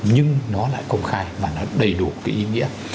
nhưng nó lại công khai và nó đầy đủ cái ý nghĩa